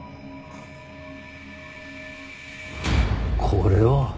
これは！